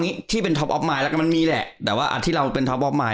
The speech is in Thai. อันนี้ที่เป็นท็อปอ๊อบมายแล้วก็มันมีแหละแต่ว่าที่เราเป็นท็อปอ๊อฟมาย